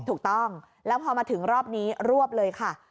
ถูกต้องแล้วพอมาถึงรอบนี้รวบเลยค่ะ